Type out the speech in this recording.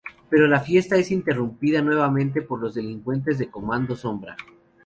Pero la fiesta es interrumpida nuevamente por los delincuentes de Comando Sombra.